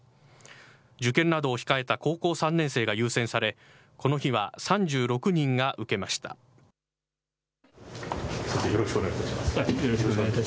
受験などを控えた高校３年生が優先され、この日は３６人が受けました。